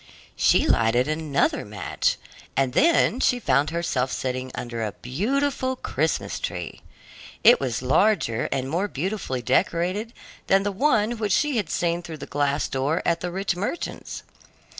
She lighted another match, and then she found herself sitting under a beautiful Christmas tree. It was larger and more beautifully decorated than the one which she had seen through the glass door at the rich merchant's.